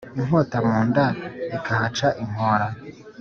inkota munda ikahaca inkora